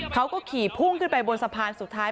เขาก็ขี่พุ่งขึ้นไปบนสะพานสุดท้าย